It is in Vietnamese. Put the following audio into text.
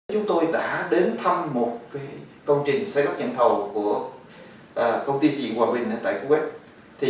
chúng tôi đã thăm một công trình xây bắt nhận thầu của công ty xây dựng hòa bình tại kuwait